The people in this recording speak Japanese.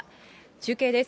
中継です。